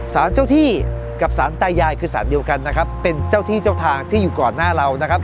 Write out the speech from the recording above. สารเจ้าที่กับสารตายายคือสารเดียวกันนะครับเป็นเจ้าที่เจ้าทางที่อยู่ก่อนหน้าเรานะครับ